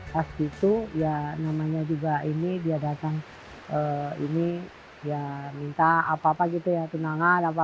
pas itu dia datang minta tunangan